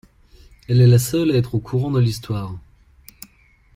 Elle est la seule à être au courant de l'histoire.